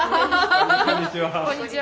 こんにちは。